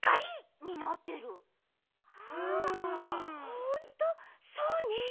ほんとそうね。